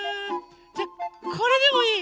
じゃこれでもいい？